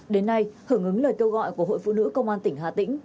đến nay hưởng ứng lời kêu gọi của hội phụ nữ công an tỉnh hà tĩnh